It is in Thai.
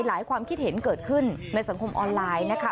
ความคิดเห็นเกิดขึ้นในสังคมออนไลน์นะคะ